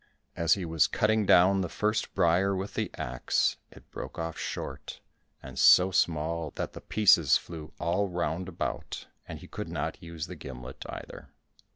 As he was cutting down the first briar with the axe, it broke off short, and so small that the pieces flew all round about, and he could not use the gimlet either.